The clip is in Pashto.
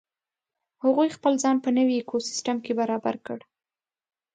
هغوی خپل ځان په نوې ایکوسیستم کې برابر کړ.